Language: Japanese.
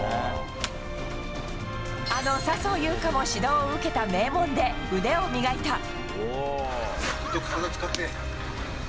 あの笹生優花も指導を受けた名門で腕を磨いた。